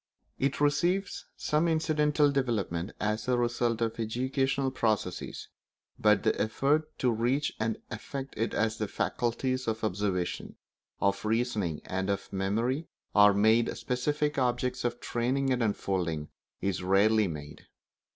It receives some incidental development as a result of educational processes, but the effort to reach and affect it as the faculties of observation, of reasoning, and of memory are made specific objects of training and unfolding, is rarely made.